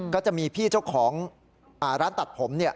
ก็จะมีพี่เจ้าของร้านตัดผมเนี่ย